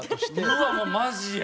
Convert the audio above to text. うわっもうマジや。